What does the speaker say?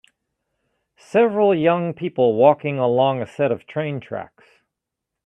Several young people walking along a set of train tracks.